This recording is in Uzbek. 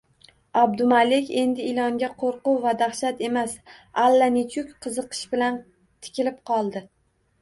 Abdumalik endi ilonga qo`rquv va dahshat emas, allanechuk qiziqish bilan tikilib qoldi